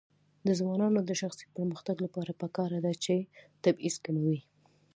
د ځوانانو د شخصي پرمختګ لپاره پکار ده چې تبعیض کموي.